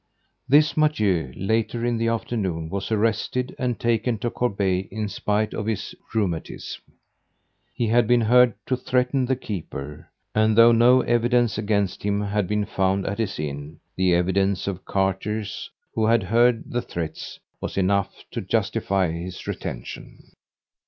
This Mathieu, later in the afternoon, was arrested and taken to Corbeil in spite of his rheumatism. He had been heard to threaten the keeper, and though no evidence against him had been found at his inn, the evidence of carters who had heard the threats was enough to justify his retention.